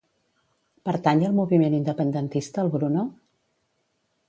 Pertany al moviment independentista el Bruno?